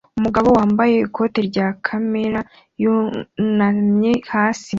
Umugabo wambaye ikote rya kamera yunamye hasi